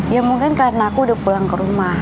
ya mungkin karena aku udah pulang ke rumah